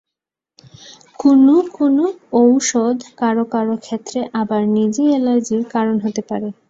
কোনো কোন ঔষধ কারও কারও ক্ষেত্রে আবার নিজেই অ্যালার্জির কারণ হতে পারে।